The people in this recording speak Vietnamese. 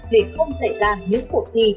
để không xảy ra những cuộc thi